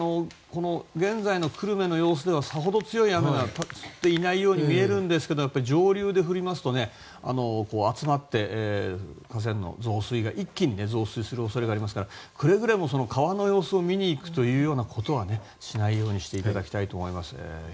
現在の久留米の様子ではさほど強い雨は降っていないように見えるんですが上流で降りますとね集まって、河川が一気に増水する恐れがありますからくれぐれも川の様子を見に行くということはしないようにしていただきたいです。